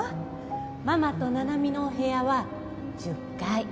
ママと七海のお部屋は１０階。